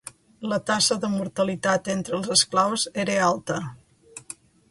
La tassa de mortalitat entre els esclaus era alta.